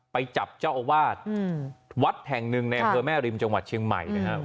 ไปจับเจ้าอาวาสวัดแห่งหนึ่งในอำเภอแม่ริมจังหวัดเชียงใหม่นะครับ